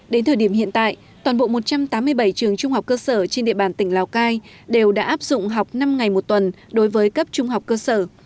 đến thời điểm hiện tại toàn bộ một trăm tám mươi bảy trường trung học cơ sở trên địa bàn tỉnh lào cai đều đã áp dụng học năm ngày một tuần đối với cấp trung học cơ sở